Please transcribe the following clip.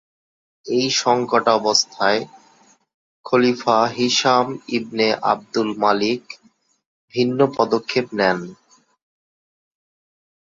এই সঙ্কটাবস্থায় খলিফা হিশাম ইবনে আবদুল মালিক ভিন্ন পদক্ষেপ নেন।